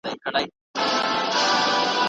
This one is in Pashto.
مدیتیشن مو ژوند ته رڼا ورکوي.